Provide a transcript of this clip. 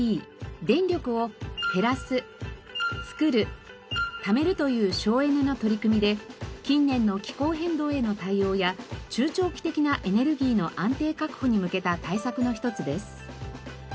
電力を「へらすつくるためる」という省エネの取り組みで近年の気候変動への対応や中長期的なエネルギーの安定確保に向けた対策の一つです。